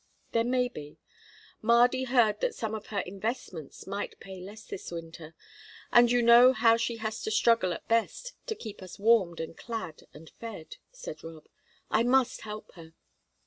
"There may be. Mardy heard that some of her investments might pay less this winter, and you know how she has to struggle at best to keep us warmed and clad and fed," said Rob. "I must help her.